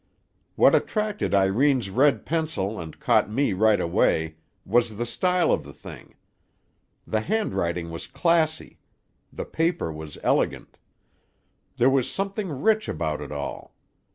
"What attracted Irene's red pencil, and caught me right away, was the style of the thing. The handwriting was classy. The paper was elegant. There was something rich about it all.